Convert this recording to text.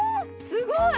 すごい！